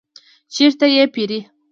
چیرته یی پیرئ؟